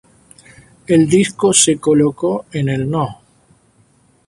El disco se colocó en el no.